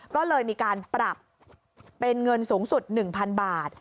ก็เลยมีการปรับเป็นเงินสูงสุด๑๐๐๐บาท